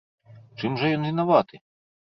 Чым жа ён вінаваты?